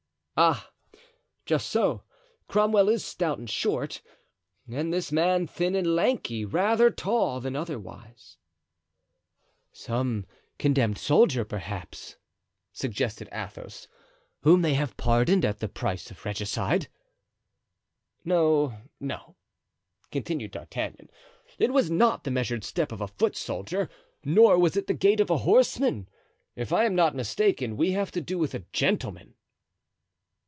"Ah! just so. Cromwell is stout and short, and this man thin and lanky, rather tall than otherwise." "Some condemned soldier, perhaps," suggested Athos, "whom they have pardoned at the price of regicide." "No, no," continued D'Artagnan, "it was not the measured step of a foot soldier, nor was it the gait of a horseman. If I am not mistaken we have to do with a gentleman."